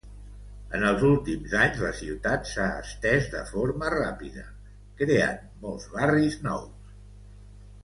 En els últims anys la ciutat s'ha estès de forma ràpida, creant molts barris nous.